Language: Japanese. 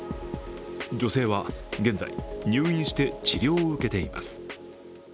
女性は現在、入院して治療を受けています。